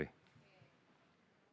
terima kasih dari